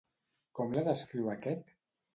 Com la descriu aquest?